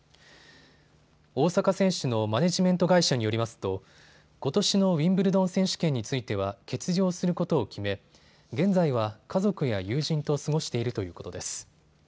大坂選手のマネジメント会社によりますとことしのウィンブルドン選手権については欠場することを決め、現在は家族や友人と過ごしているということです。